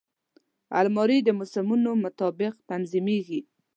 الماري د موسمونو مطابق تنظیمېږي